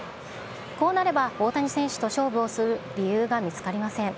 こうなれば大谷選手と勝負をする理由が見つかりません。